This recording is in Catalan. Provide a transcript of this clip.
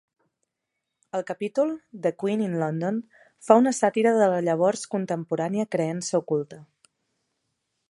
El capítol "The Queen in London" fa una sàtira de la llavors contemporània creença oculta.